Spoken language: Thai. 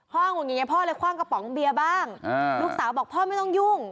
ห้องอย่างนี้พ่อเลยคว่างกระป๋องเบียร์บ้างลูกสาวบอกพ่อไม่ต้องยุ่ง